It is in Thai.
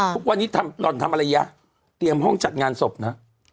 ทุกวันนี้ทำหล่อนทำอะไรยะเตรียมห้องจัดงานศพนะ